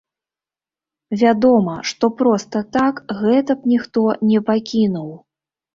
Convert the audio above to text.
Вядома, што проста так гэта б ніхто не пакінуў.